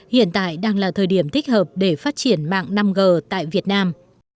hiện tại đang là thời điểm thích hợp để phát triển mạng năm g tại việt nam